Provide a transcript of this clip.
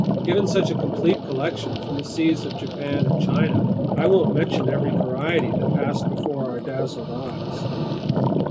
Given such a complete collection from the seas of Japan and China, I won't mention every variety that passed before our dazzled eyes.